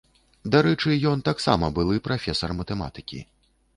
Дарэчы, ён таксама былы прафесар матэматыкі.